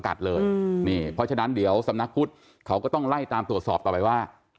เขาสำนักพุทธเขาก็ต้องไล่ตามตรวจสอบต่อไปว่า